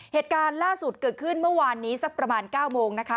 เหตุการณ์ล่าสุดเกิดขึ้นเมื่อวานนี้สักประมาณ๙โมงนะคะ